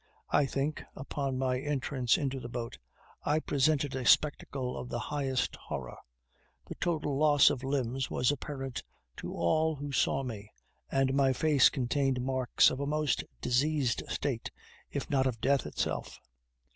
I think, upon my entrance into the boat, I presented a spectacle of the highest horror. The total loss of limbs was apparent to all who saw me, and my face contained marks of a most diseased state, if not of death itself.